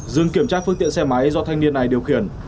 dừng kiểm tra phương tiện xe máy do thanh niên này điều khiển